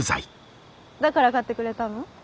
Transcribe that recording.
だから買ってくれたの？